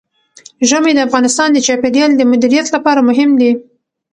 ژمی د افغانستان د چاپیریال د مدیریت لپاره مهم دي.